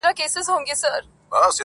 ډېر یې زړه سو چي له ځان سره یې سپور کړي!!